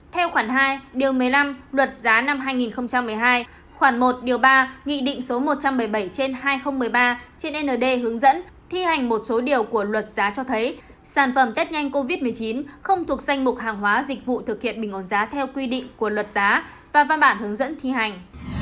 theo khoản hai điều một mươi năm luật giá năm hai nghìn một mươi hai khoảng một điều ba nghị định số một trăm bảy mươi bảy trên hai nghìn một mươi ba trên nd hướng dẫn thi hành một số điều của luật giá cho thấy sản phẩm tết nhanh covid một mươi chín không thuộc danh mục hàng hóa dịch vụ thực hiện bình ổn giá theo quy định của luật giá và văn bản hướng dẫn thi hành